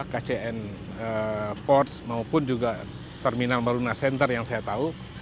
kcn ports maupun juga terminal maruna center yang saya tahu